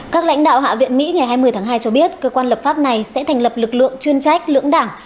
các lãnh đạo hạ viện mỹ ngày hai mươi tháng hai cho biết cơ quan lập pháp này sẽ thành lập lực lượng chuyên trách lưỡng đảng